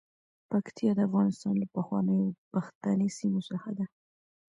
پکتیکا د افغانستان له پخوانیو پښتني سیمو څخه ده.